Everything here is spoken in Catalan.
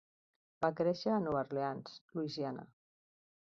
Va créixer a Nova Orleans, Louisiana.